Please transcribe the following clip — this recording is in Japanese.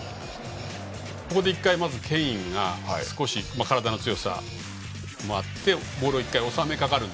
ここで１回、ケインが体の強さもあってボールを１回、収めかかる。